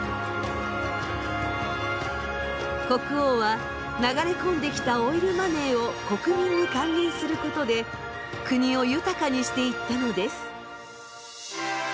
国王は流れ込んできたオイルマネーを国民に還元することで国を豊かにしていったのです。